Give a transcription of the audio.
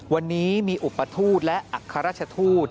วันนี้มีอุปทูตและอัครราชทูต